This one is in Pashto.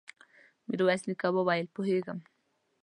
ميرويس نيکه وويل: پوهېږم.